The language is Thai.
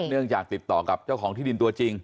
เนื่องจากติดต่อกับเจ้าของที่ดินตัวจริง